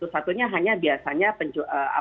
satunya hanya biasanya penjualan